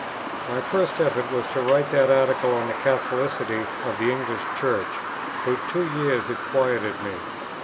"My first effort was to write that article on the Catholicity of the English Church; for two years it quieted me.